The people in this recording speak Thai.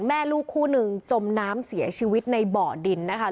แม่ลูกคู่หนึ่งจมน้ำเสียชีวิตในบ่อดินนะคะ